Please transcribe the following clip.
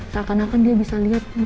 seakan akan dia bisa liat om raymond